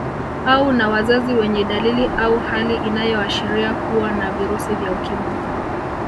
Au na wazazi wenye dalili au hali inayoashiria kuwa na virusi vya Ukimwi